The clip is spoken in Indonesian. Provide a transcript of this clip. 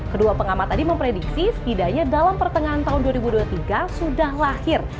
kedua pengamat tadi memprediksi setidaknya dalam pertengahan tahun dua ribu dua puluh tiga sudah lahir